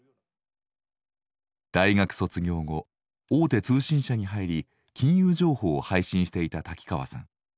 大学卒業後大手通信社に入り金融情報を配信していた瀧川さん。